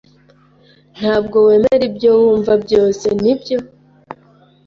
Ntabwo wemera ibyo wumva byose, nibyo?